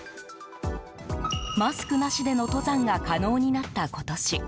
マスクなしでの登山が可能になった今年。